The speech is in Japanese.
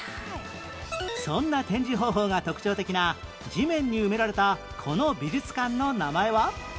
そんな展示方法が特徴的な地面に埋められたこの美術館の名前は？